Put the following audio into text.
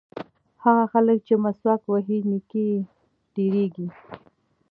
هغه خلک چې مسواک وهي نیکۍ یې ډېرېږي.